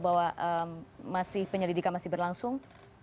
bahwa penyelidikan masih berlangsung